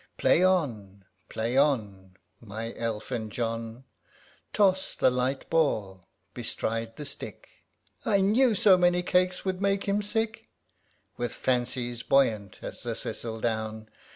Play on, play on, My elfin John ! Toss the light ball ŌĆö bestride the stick ŌĆö (I knew so many cakes would make him sick !) With fancies, buoyant as the thistle down.